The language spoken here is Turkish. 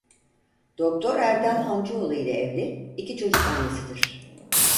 Doktor Erdal Hancıoğlu ile evli iki çocuk annesidir.